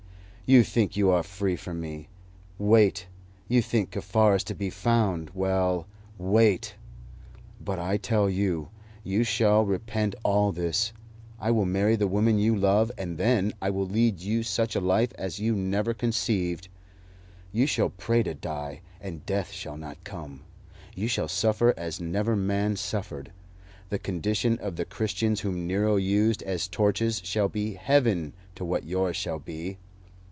You think you are free from me. Wait. You think Kaffar is to be found well, wait. But, I tell you, you shall repent all this. I will marry the woman you love, and then I will lead you such a life as you never conceived. You shall pray to die, and death shall not come. You shall suffer as never man suffered. The condition of the Christians whom Nero used as torches shall be heaven to what yours shall be.